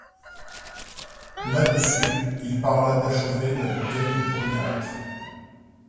Là-dessus, il parla d'achever la bouteille de cognac.